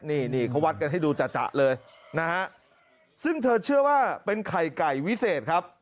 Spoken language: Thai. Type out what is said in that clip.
นี่นี่เขาวัดกันให้ดูจะเลยนะฮะซึ่งเธอเชื่อว่าเป็นไข่ไก่วิเศษครับ